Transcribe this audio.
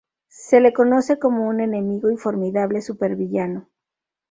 Se le conoce como un enemigo y formidable supervillano.